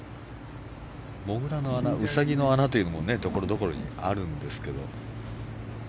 モグラの穴ウサギの穴というのもところどころにあるんですけども。